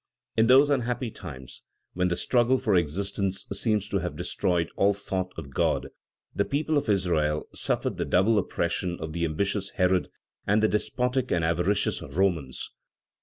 In those unhappy times, when the struggle for existence seems to have destroyed all thought of God, the people of Israel suffered the double oppression of the ambitious Herod and the despotic and avaricious Romans.